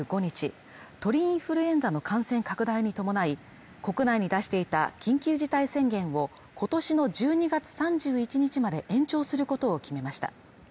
ペルー当局は２５日、鳥インフルエンザの感染拡大に伴い国内に出していた緊急事態宣言を、今年の１２月３１日まで延長することを決めました。